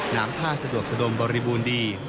น้ำผ้าสะดวกสะดงบริบูรณ์ดี